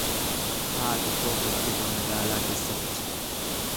Haati koo hojjeta mana keessatti.